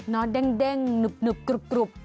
เนาะเด้งหนุบกรุบ